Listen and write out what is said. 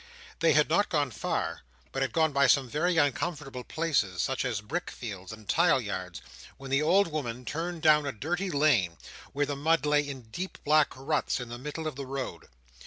They had not gone far, but had gone by some very uncomfortable places, such as brick fields and tile yards, when the old woman turned down a dirty lane, where the mud lay in deep black ruts in the middle of the road.